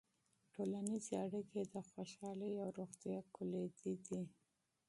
ټولنیزې اړیکې د خوشحالۍ او روغتیا کلیدي دي.